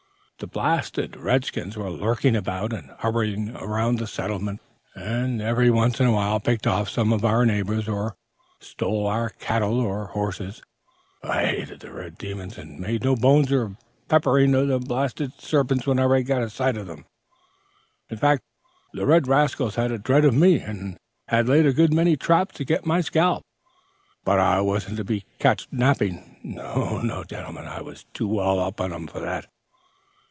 The blasted red skins were lurking about and hovering around the settlement, and every once in a while picked off some of our neighbors or stole our cattle or horses. I hated the red demons, and made no bones of peppering the blasted sarpents whenever I got a sight of them. In fact, the red rascals had a dread of me, and had laid a good many traps to get my scalp, but I wasn't to be catched napping. No, no, gentlemen, I was too well up to 'em for that.